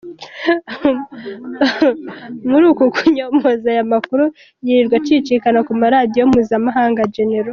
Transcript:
Muri uku kunyomoza aya makuru yirirwa acicikana ku maradiyo mpuzamahanga, Gen.